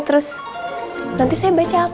terus nanti saya baca apa